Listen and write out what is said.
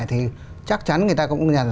thì chắc chắn người ta cũng nhận ra